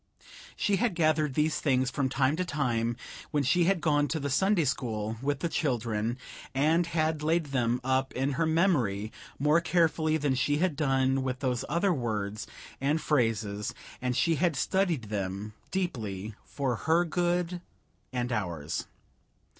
She had gathered these things from time to time when she had gone to the Sunday school with the children, and had laid them up in her memory more carefully than she had done with those other words and phrases; and she had studied them deeply, for her good and ours.